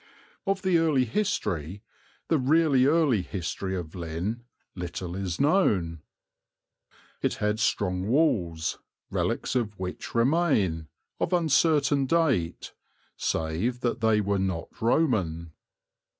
Of the early history, the really early history of Lynn, little is known. It had strong walls, relics of which remain, of uncertain date, save that they were not Roman.